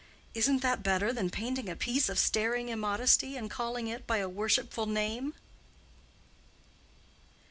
Isn't that better than painting a piece of staring immodesty and calling it by a worshipful name?"